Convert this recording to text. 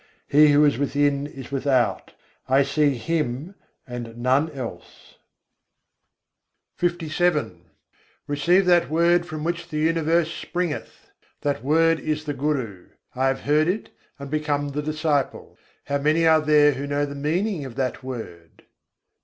He who is within is without: I see Him and none else. LVII I. 66. sâdho, s'abd sâdhnâ kîjai Receive that Word from which the Universe springeth! That word is the Guru; I have heard it, and become the disciple. How many are there who know the meaning of that word?